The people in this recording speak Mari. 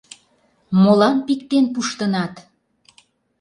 Молан пиктен пуштынат?